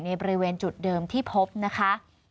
บริเวณจุดเดิมที่พบนะคะ